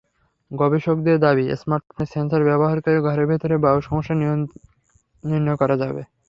গবেষকেদের দাবি, স্মার্টফোনের সেন্সর ব্যবহার করে ঘরের ভেতর বায়ু-সমস্যা নির্ণয় করা যাবে।